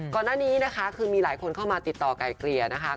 ก่อนหน้านี้นะคะคือมีหลายคนเข้ามาติดต่อไกลเกลี่ยนะคะ